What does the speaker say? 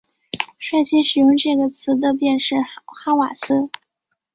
率先使用这个词的便是哈瓦斯。